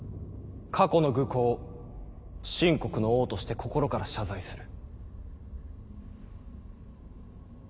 過去の愚行秦国の王として心から謝罪する。